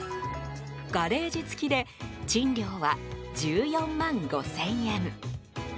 ガレージ付きで賃料は１４万５０００円。